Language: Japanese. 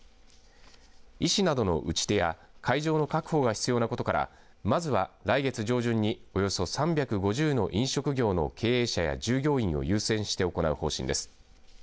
医師などの打ち手や会場の確保が必要なことからまずは来月上旬におよそ３５０の飲食業の経営者や従業員を優先して行う方針です。